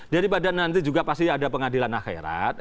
daripada nanti juga pasti ada pengadilan akhirat